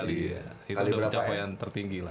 itu udah percobaan tertinggi lah